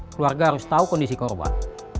keluarga harus tahu kondisi korban